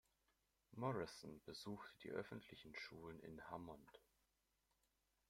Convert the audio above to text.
Morrison besuchte die öffentlichen Schulen in Hammond.